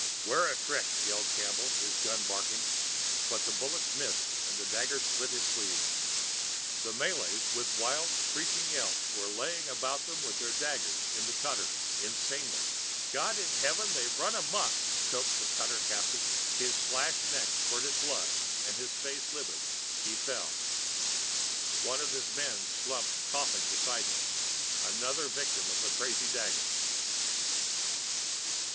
"'Ware a trick!" yelled Campbell. His gun barked, but the bullet missed and a dagger slit his sleeve. The Malays, with wild, screeching yells, were laying about them with their daggers in the cutter, insanely. "God in heaven, they're running amok!" choked the cutter captain. His slashed neck spurting blood and his face livid, he fell. One of his men slumped coughing beside him, another victim of the crazy daggers.